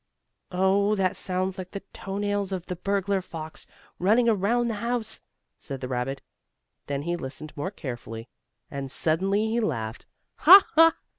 "Oh, that sounds like the toe nails of the burglar fox, running around the house!" said the rabbit. Then he listened more carefully, and suddenly he laughed: "Ha! Ha!"